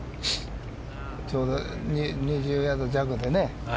ちょうど２０ヤード弱でね。